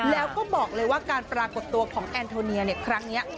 แล้วก็บอกเลยว่าการปรากฏตัวของแอนโทเนียในครั้งนี้